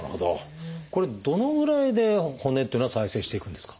これどのぐらいで骨っていうのは再生していくんですか？